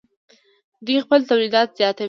دوی خپل تولیدات زیاتوي.